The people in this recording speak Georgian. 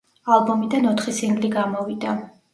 ალბომიდან ოთხი სინგლი გამოვიდა.